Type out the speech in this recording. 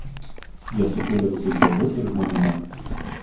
Jie sukūrė visus dievus ir žmoniją.